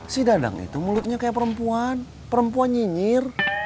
si dadang itu mulutnya kayak perempuan perempuan nyinyir